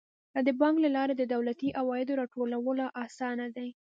د بانک له لارې د دولتي عوایدو راټولول اسانه دي.